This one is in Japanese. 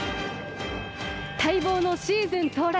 待望のシーズン到来。